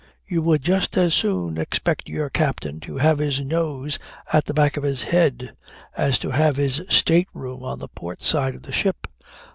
You would just as soon expect your captain to have his nose at the back of his head as to have his state room on the port side of the ship.